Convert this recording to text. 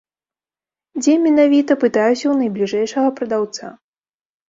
Дзе менавіта, пытаюся ў найбліжэйшага прадаўца.